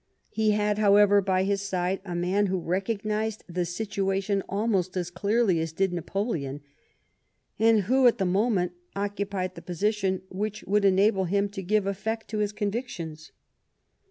He had, however, by his side, a man who recognised the situation almost as clearly as did Napoleon, and who, at the moment, occupied the position which would enable him to give effect to his convictions.